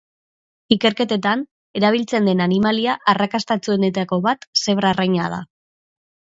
Ikerketetan erabiltzen den animalia arrakastatsuenetako bat zebra arraina da.